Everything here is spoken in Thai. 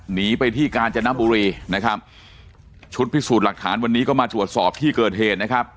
หนีไปที่กาญจนบุรีนะครับชุดพิสูจน์หลักฐานวันนี้ก็มาตรวจสอบที่เกิดเหตุนะครับ